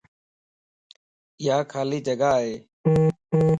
يا خالي جڳا ائي